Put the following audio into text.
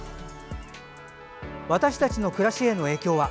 私たちの暮らしへの影響は？